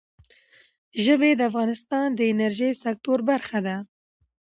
ژبې د افغانستان د انرژۍ سکتور برخه ده.